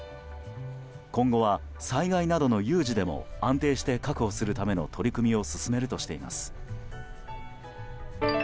今後は、災害などの有事でも安定して確保するための取り組みを進めるとしています。